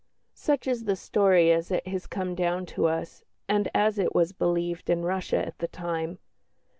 Such is the story as it has come down to us, and as it was believed in Russia at the time.